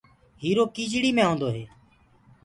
هيٚرو ڪيٚچڙي مي هونٚدوئي